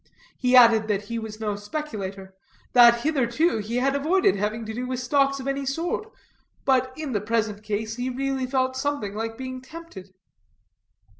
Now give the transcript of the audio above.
He added that he was no speculator; that hitherto he had avoided having to do with stocks of any sort, but in the present case he really felt something like being tempted.